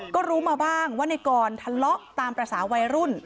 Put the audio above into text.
ก็รู้มาบ้างว่านายกรมันทะเลาะตามปราศาวัยรุ่น